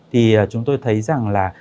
thì chúng tôi thấy rằng là